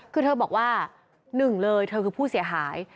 คือเธอบอกว่าหนึ่งเลยเธอคือผู้เสียหาย